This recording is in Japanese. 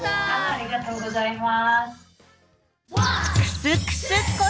ありがとうございます。